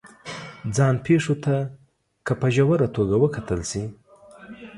ځان پېښو ته که په ژوره توګه وکتل شي